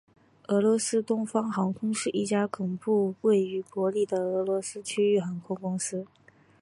俄罗斯东方航空是一家总部位于伯力的俄罗斯区域航空公司。